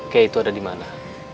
kayak itu ada di mana